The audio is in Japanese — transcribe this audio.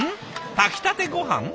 炊きたてごはん？